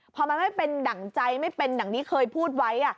พอมันไม่เป็นดั่งใจไม่เป็นดังนี้เคยพูดไว้